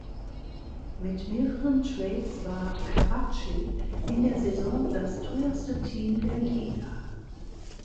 Mit mehreren Trades war Karachi in der Saison das teuerste team der Liga.